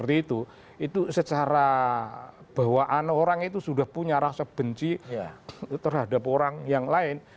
itu secara bawaan orang itu sudah punya rasa benci terhadap orang yang lain